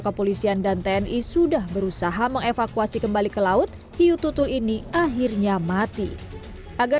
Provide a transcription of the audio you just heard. kepolisian dan tni sudah berusaha mengevakuasi kembali ke laut hiu tutul ini akhirnya mati agar